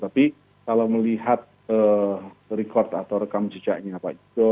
tapi kalau melihat rekod atau rekam sejaknya pak ijo